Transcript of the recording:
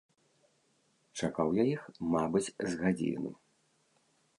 Чакаў я іх, мабыць, з гадзіну.